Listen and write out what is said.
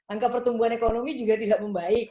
angka pertumbuhan ekonomi juga tidak membaik